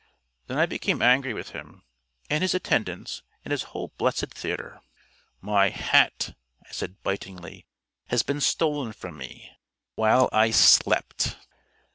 Then I became angry with him and his attendants and his whole blessed theatre. "My hat," I said bitingly, "has been stolen from me while I slept."